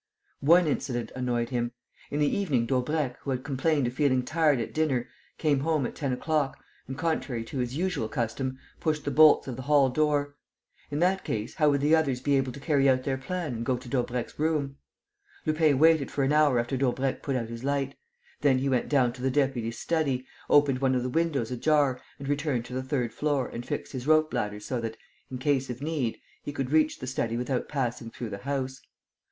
One incident annoyed him. In the evening Daubrecq, who had complained of feeling tired at dinner, came home at ten o'clock and, contrary to his usual custom, pushed the bolts of the hall door. In that case, how would the others be able to carry out their plan and go to Daubrecq's room? Lupin waited for an hour after Daubrecq put out his light. Then he went down to the deputy's study, opened one of the windows ajar and returned to the third floor and fixed his rope ladder so that, in case of need, he could reach the study without passing though the house.